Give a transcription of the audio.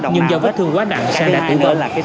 nhưng do vết thương quá nặng sài đã tử vật